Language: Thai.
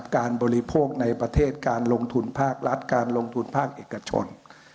บริโภคในประเทศการลงทุนภาครัฐการลงทุนภาคเอกชน